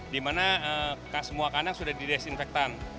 dimana semua kandang sudah didesinfektan